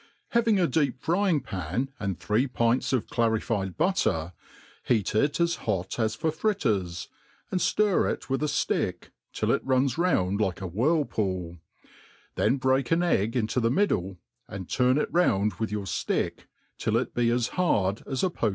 m HAVING a deep frying pan, and three pints of clarified butter, heat it as hot ai for fritters, and ilir it with a flick, till it runs round like a whirlpool ; then break an egg into the middk, and turn it round with your ftidc till it be as bard aa a poached MADE PLAIN AND EASY.